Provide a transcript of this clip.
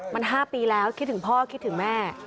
มัน๕ปีแล้วคิดถึงพ่อคิดถึงแม่